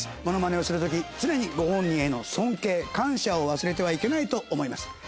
ものまねをするとき常にご本人への尊敬感謝を忘れてはいけないと思います。